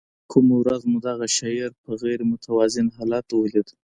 کومه ورځ مو دغه شاعر په غیر متوازن حالت ولید.